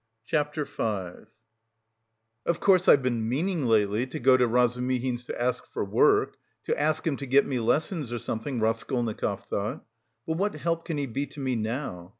CHAPTER V "Of course, I've been meaning lately to go to Razumihin's to ask for work, to ask him to get me lessons or something..." Raskolnikov thought, "but what help can he be to me now?